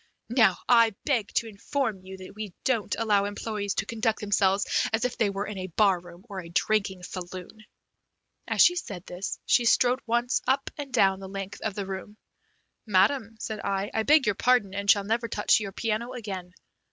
Now, I beg to inform you that we don't allow employees to conduct themselves as if they were in a bar room or a drinking saloon." As she said this, she strode once up and down the length of the room. "Madam," said I, "I beg your pardon, and shall never touch your piano again.